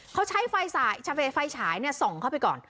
เขาใช้ไฟฉายส่องเข้าไปก่อน